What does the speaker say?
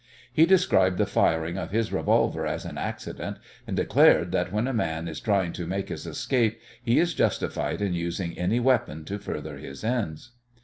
He described the firing of his revolver as an accident, and declared that when a man is trying to make his escape he is justified in using any weapon to further his ends.